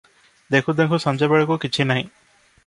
ଦେଖୁଁ ଦେଖୁଁ ସଞ୍ଜବେଳକୁ କିଛି ନାହିଁ ।